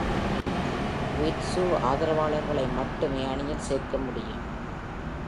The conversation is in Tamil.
Widzew ஆதரவாளர்களை மட்டுமே அணியில் சேர்க்க முடியும்.